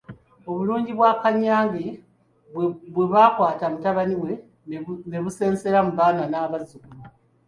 Obulungi bwa Kannyange bwe bwakwata mutabani we ne busensera mu baana n'abazzukulu.